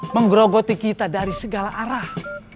menggerogoti kita dari segala arah